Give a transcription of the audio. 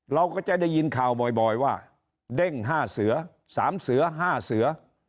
เราก็จะได้ยินข่าวบ่อยว่าเด้ง๕เสือ๓เสือ๕เสือ